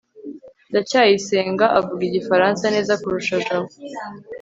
ndacyayisenga avuga igifaransa neza kurusha jabo